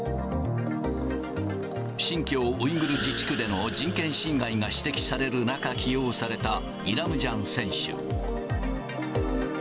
新疆ウイグル自治区での人権侵害が指摘される中、起用されたイラムジャン選手。